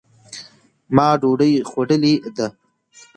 ما ډوډۍ خوړلې ده.